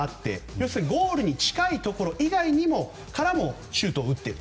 要するにゴールに近いところ以外からもシュートを打っている。